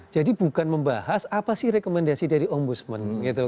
jadi bukan membahas apa sih rekomendasi dari om ombudsman